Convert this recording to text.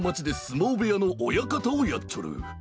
もうべやの親方をやっちょる。